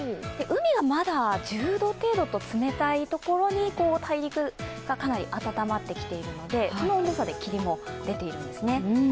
海はまだ１０度程度と冷たいところに、大陸がかなり暖まってきているので、その温度差で切りもできているんですね。